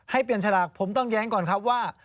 ให้เปลี่ยนฉลากผมต้องแย้งก่อนครับว่า